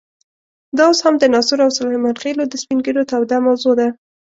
دا اوس هم د ناصرو او سلیمان خېلو د سپین ږیرو توده موضوع ده.